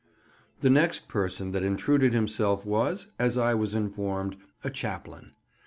The next person that intruded himself was—as I was informed—a chaplain.